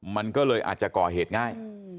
มันก็เลยอาจจะก่อเหตุง่าย